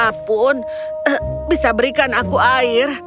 apapun bisa berikan aku air